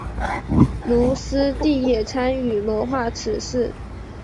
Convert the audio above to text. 卢师谛也参与谋划此事。